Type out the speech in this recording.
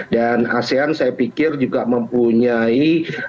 dan asean saya pikir juga mempunyai